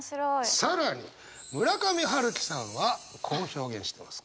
更に村上春樹さんはこう表現してます。